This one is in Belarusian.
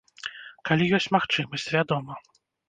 Калі ёсць магчымасць, вядома.